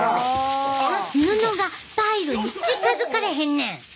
布がパイルに近づかれへんねん！